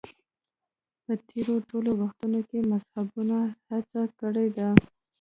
په تېرو ټولو وختونو کې مذهبیونو هڅه کړې ده